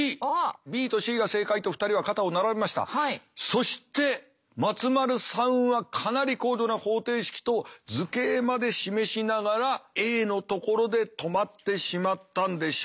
そして松丸さんはかなり高度な方程式と図形まで示しながらＡのところで止まってしまったんでしょうか。